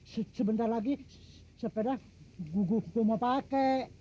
sebentar lagi sepeda guguh gue mau pakai